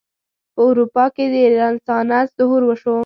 په اروپا کې د رنسانس ظهور وشو.